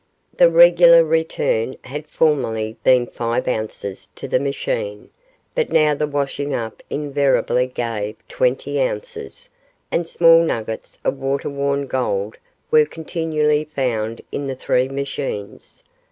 The regular return had formerly been five ounces to the machine, but now the washing up invariably gave twenty ounces, and small nuggets of water worn gold were continually found in the three machines.